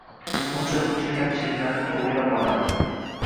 uncha-muncha kamchiliklarini to‘g‘rilab oladi.